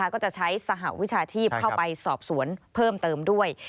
ก็จะใช้สหวิชาชีพเข้าไปสอบสวนเพิ่มเติมด้วย